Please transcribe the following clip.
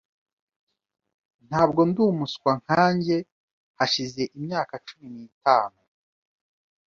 Ntabwo ndi umuswa nkanjye hashize imyaka cumi n'itanu .